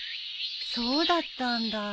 そうだったんだ。